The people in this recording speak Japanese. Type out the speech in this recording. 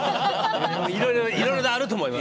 いろいろあると思います。